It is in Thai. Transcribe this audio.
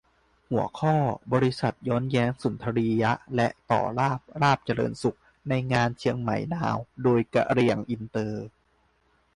หัวข้อ : บริษัทย้อนแยงสุนทรียะ และ ต่อลาภ ลาภเจริญสุข ในงานเชียงใหม่นาว ! - โดย : กะเหรี่ยงอินเตอร์